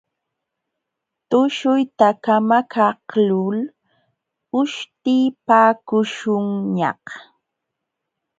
Tushuyta kamakaqlul uśhtipakuśhunñaq.